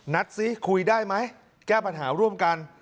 ซิคุยได้ไหมแก้ปัญหาร่วมกัน